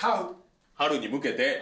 春に向けて。